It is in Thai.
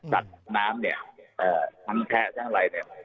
สัดน้ำเนี่ยเอ่อทำแพร่ทำอะไรเนี่ย